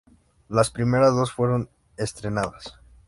Las primeras dos fueron estrenadas.